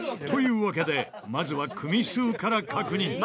というわけでまずは組数から確認